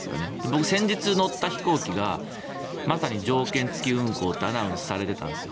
僕、先日乗った飛行機がまさに条件付き運航ってアナウンスされていたんです。